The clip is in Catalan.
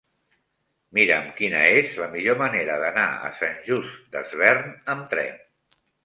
Mira'm quina és la millor manera d'anar a Sant Just Desvern amb tren.